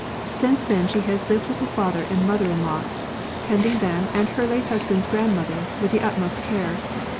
Since then she has lived with her father and mother in law, tending them and her late hus band's grandmother with the utmost care.